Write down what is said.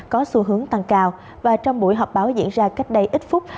có xu hướng tăng cao và trong buổi họp báo diễn ra cách đây ít phút